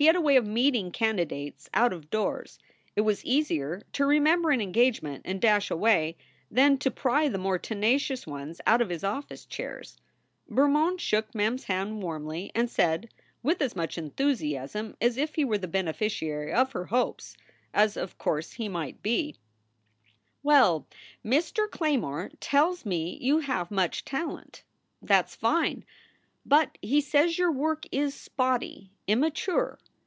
He had a way of meeting candidates out of doors. It was easier to remember an engagement and dash away, than to pry the more tenacious ones out of his office chairs. Bermond shook Mem s hand warmly and said, with as much enthusiasm as if he were the beneficiary of her hopes as of course he might be : 4 Well, Mr. Claymore tells me you have much talent. SOULS FOR SALE 237 That s fine! But he says your work is spotty immature.